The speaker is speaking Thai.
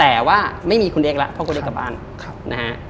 แต่ว่าไม่มีและคุณเอกกลับบ้าน